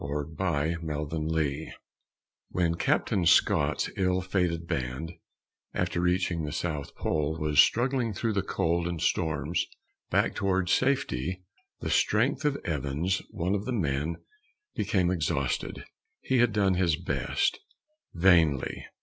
_ TO THE MEN WHO LOSE When Captain Scott's ill fated band, after reaching the South Pole, was struggling through the cold and storms back towards safety, the strength of Evans, one of the men, became exhausted. He had done his best vainly.